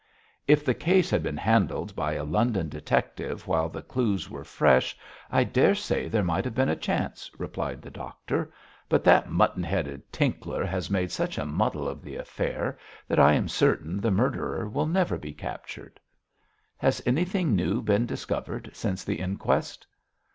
'If the case had been handled by a London detective while the clues were fresh I daresay there might have been a chance,' replied the doctor. 'But that mutton headed Tinkler has made such a muddle of the affair that I am certain the murderer will never be captured.' 'Has anything new been discovered since the inquest?'